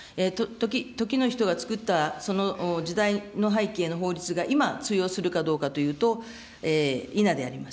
時の人が作った、その時代の背景の法律が今、通用するかどうかというと、否であります。